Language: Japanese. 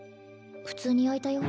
普通に開いたよ